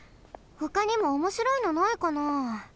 ほかにもおもしろいのないかな？